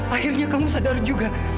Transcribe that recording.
akhirnya kamu sadar juga